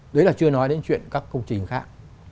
đấy là chưa nói đến chuyện các công trình khác